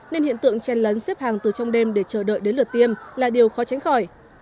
nên hiện tượng chen lấn xếp hàng từ trong đêm để chờ đợi đến lượt tiêm là điều khó tránh khỏi